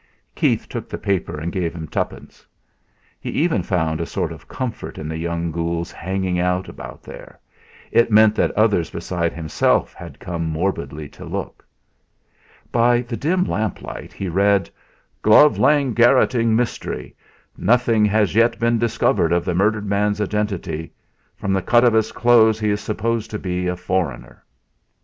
Keith took the paper and gave him twopence. He even found a sort of comfort in the young ghoul's hanging about there; it meant that others besides himself had come morbidly to look. By the dim lamplight he read: "Glove Lane garrotting mystery. Nothing has yet been discovered of the murdered man's identity; from the cut of his clothes he is supposed to be a foreigner."